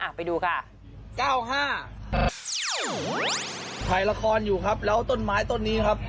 ไปดูค่ะเก้าห้าถ่ายละครอยู่ครับแล้วต้นไม้ต้นนี้ครับ